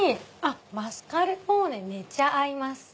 マスカルポーネめちゃ合います。